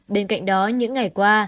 bên cạnh đó những ngày qua